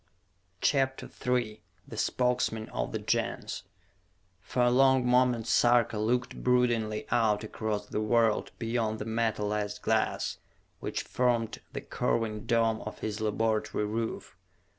CHAPTER III The Spokesmen of the Gens For a long moment Sarka looked broodingly out across the world beyond the metalized glass which formed the curving dome of his laboratory roof.